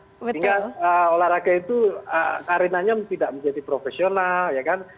sehingga olahraga itu arenanya tidak menjadi profesional ya kan